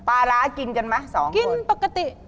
ปลาร้ากินกันมั้ย๒คนกินปกติ